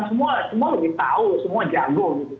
semua lebih tahu semua jago